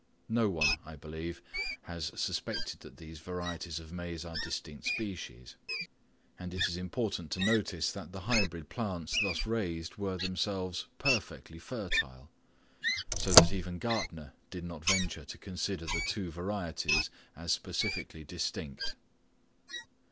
No one, I believe, has suspected that these varieties of maize are distinct species; and it is important to notice that the hybrid plants thus raised were themselves perfectly fertile; so that even Gärtner did not venture to consider the two varieties as specifically distinct.